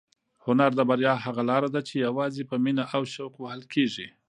هنر د بریا هغه لاره ده چې یوازې په مینه او شوق وهل کېږي.